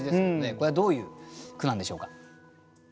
これはどういう句なんでしょうか？